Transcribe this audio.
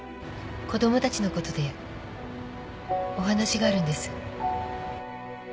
子供たちのことでお話があるんです。